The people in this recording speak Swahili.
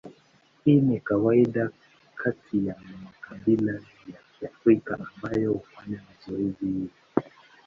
Hii ni kawaida kati ya makabila ya Kiafrika ambayo hufanya zoezi hili.